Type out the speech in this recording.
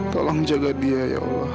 tolong jaga dia ya allah